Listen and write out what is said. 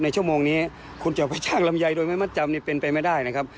ชั่วโมงนี้คุณจะไปช่างลำไยโดยไม่มัดจำเป็นไปไม่ได้นะครับ